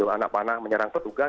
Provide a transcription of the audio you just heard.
anak panas menyerang petugas